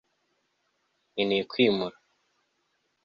nkeneye kwimura